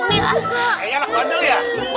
kayaknya lah bandel ya